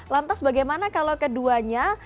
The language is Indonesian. lantas bagaimana kalau keduanya